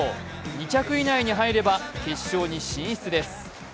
２着以内に入れば決勝に進出です。